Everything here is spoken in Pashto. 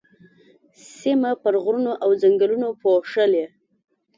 سيمه پر غرونو او ځنګلونو پوښلې.